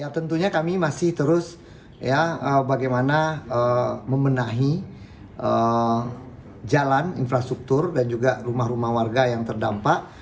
tentunya kami masih terus ya bagaimana membenahi jalan infrastruktur dan juga rumah rumah warga yang terdampak